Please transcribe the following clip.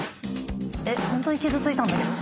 ホントに傷ついたんだけど。